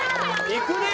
いくね！